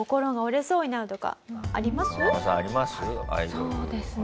そうですね。